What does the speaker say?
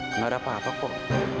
nggak ada apa apa kok